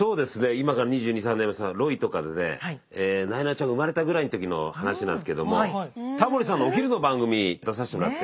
今から２２２３年前ロイとかなえなのちゃんが生まれたぐらいの時の話なんですけどもタモリさんのお昼の番組出させてもらって。